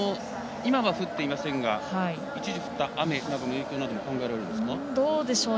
今は降っていませんが一時、降った雨などの影響も考えられるんでしょうか。